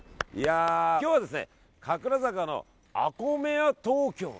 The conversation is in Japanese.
今日はですね、神楽坂のＡＫＯＭＥＹＡＴＯＫＹＯ。